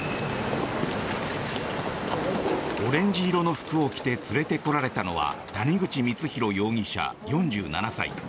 オレンジ色の服を着て連れてこられたのは谷口光弘容疑者、４７歳。